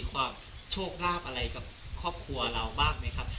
ความโชคราบอะไรกับครอบครัวเราบ้างไหมครับ